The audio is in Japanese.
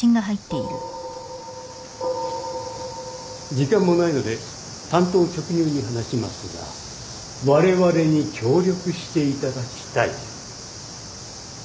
時間もないので単刀直入に話しますがわれわれに協力していただきたい。